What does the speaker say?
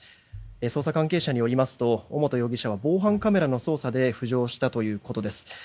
捜査関係者によりますと尾本容疑者は防犯カメラの捜査で浮上したということです。